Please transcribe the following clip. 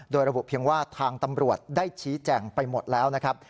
โดยระบุเพียงว่าทางตำรวจได้ชี้แจงไปหมดแล้วนะครับ